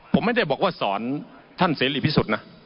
ผมไม่ได้บอกว่าสอนท่านเสรีพิสุทธิ์นะ